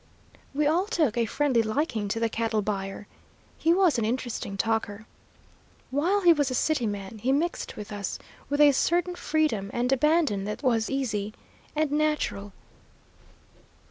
We all took a friendly liking to the cattle buyer. He was an interesting talker. While he was a city man, he mixed with us with a certain freedom and abandon that was easy and natural.